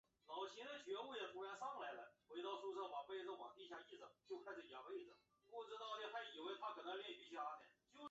胡力海原种繁殖场是中国内蒙古自治区通辽市科尔沁区下辖的一个类似乡级单位。